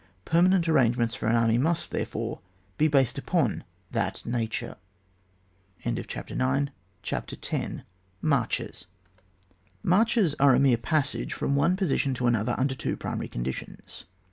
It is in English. Perma nent arrangements for an army must, therefore, be based only upon that nature. CHAPTER X. MARCHES. Marches are a mere passage from one position to another under two primary conditions.